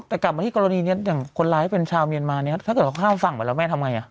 แต่กลับมาที่กรณีนี้อย่างคนร้ายเป็นชาวเมียนมาเนี่ยถ้าเกิดเขาข้ามฝั่งไปแล้วแม่ทำไงอ่ะ